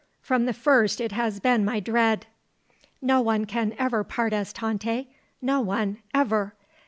From the first it has been my dread!" "No one can ever part us, Tante. No one. Ever."